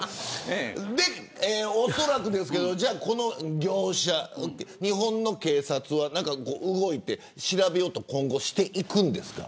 恐らくこの業者、日本の警察は動いて調べようと今後していくんですか。